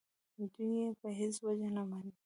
دوی یې په هېڅ وجه نه مني.